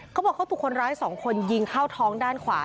เขาบอกเขาถูกคนร้ายสองคนยิงเข้าท้องด้านขวา